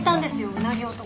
うなぎ男。